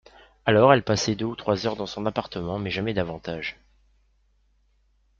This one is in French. Alors elle passait deux ou trois heures dans son appartement, mais jamais davantage.